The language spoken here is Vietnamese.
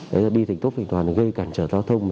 đấy là đi thành tốp thành toàn gây cản trở giao thông